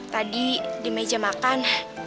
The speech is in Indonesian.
tadi di meja makan